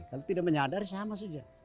tapi tidak menyadari sama saja